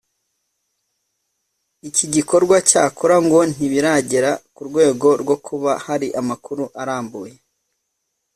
iki gikorwa cyakora ngo ntibiragera ku rwego rwo kuba hari amakuru arambuye